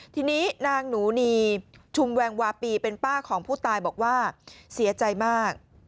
ทีนี้นางหนูนีชุมแวงวาปีเป็นป้าของผู้ตายบอกว่าเสียใจมาก